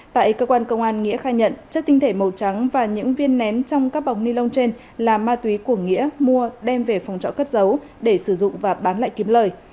tại cơ quan công an nghĩa khai nhận chất tinh thể màu trắng và những viên nén trong các bọc ni lông trên là ma túy của nghĩa mua đem về phòng trọ cất giấu để sử dụng và bán lại kiếm lời